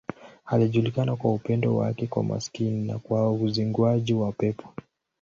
Alijulikana kwa upendo wake kwa maskini na kwa uzinguaji wa pepo.